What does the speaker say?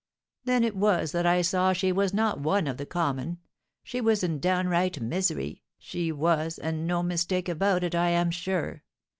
Then it was that I saw she was not one of the common; she was in downright misery, she was, and no mistake about it, I am sure!